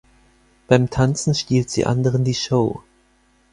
Beim Tanzen stiehlt sie anderen die Show.